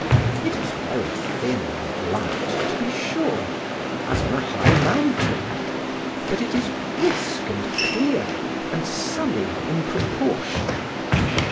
It is very thin and light, to be sure, as on a high mountain; but it is brisk and clear and sunny in proportion.